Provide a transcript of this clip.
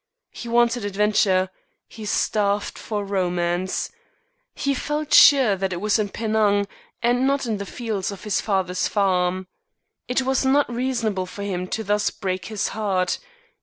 He wanted adventure. He starved for romance. He felt sure that it was in Penang and not in the fields of his father's farm. It was not reasonable for him thus to break his heart.